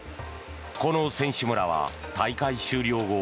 この選手村は大会終了後